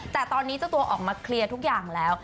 แต่ตอนนี้เจ้าตัวออกมาเคลียร์ทุกอย่างแล้ว